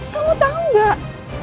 kamu tau gak